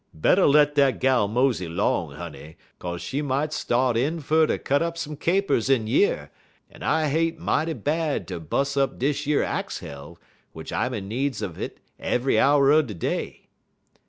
"Better let dat gal mosey 'long, honey, 'kaze she mout start in fer ter cut up some 'er capers in yer, en I hate mighty bad ter bus' up dis yer axe helve, w'ich I'm in needs un it eve'y hour er de day."